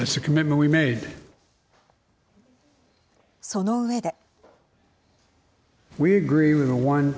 その上で。